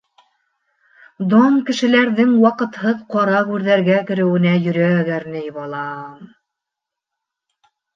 — Дан кешеләрҙең ваҡытһыҙ ҡара гүрҙәргә кереүенә йөрәк әрней, балам.